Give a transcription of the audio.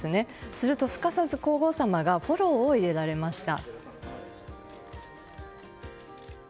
すると、すかさず皇后さまがフォローを入れられました。